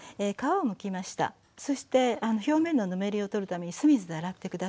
そして表面のぬめりを取るために酢水で洗って下さい。